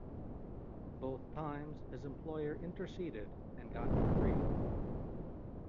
Both times his employer interceded and got him freed.